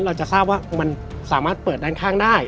เราจะทราบว่ามันสามารถเปิดด้านข้างได้